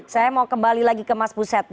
saya mau kembali lagi ke mas buset